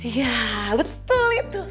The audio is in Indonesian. iya betul itu